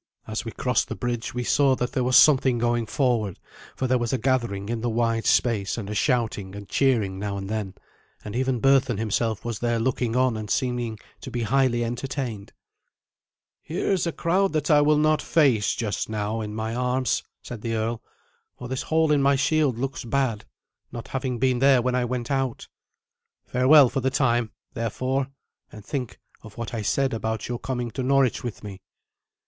As we crossed the bridge we saw that there was something going forward, for there was a gathering in the wide space, and a shouting and cheering now and then, and even Berthun himself was there looking on and seeming to be highly entertained. "Here is a crowd that I will not face just now, in my arms," said the earl; "for this hole in my shield looks bad, not having been there when I went out. Farewell for the time, therefore, and think of what I said about your coming to Norwich with me."